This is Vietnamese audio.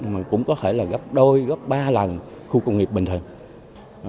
mà cũng có thể là gấp đôi gấp ba lần khu công nghiệp bình thường